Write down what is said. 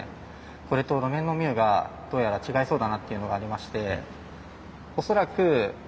これと路面のミューがどうやら違いそうだなっていうのがありまして恐らく滑る。